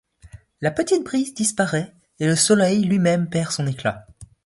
La petite brise disparaît et le soleil lui-même perd son éclat.